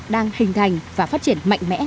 đang hình thành và phát triển mạnh mẽ